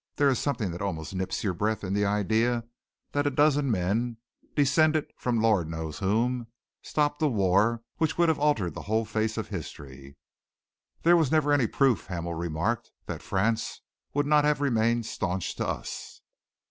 There is something that almost nips your breath in the idea that a dozen men, descended from the Lord knows whom, stopped a war which would have altered the whole face of history." "There was never any proof," Hamel remarked, "that France would not have remained staunch to us."